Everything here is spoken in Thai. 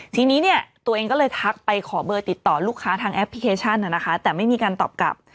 ทีนี้เนี่ยตัวเองก็เลยทักไปขอเบอร์ติดต่อลูกค้าทางแอปพลิเคชันนะคะแต่ไม่มีการตอบกลับ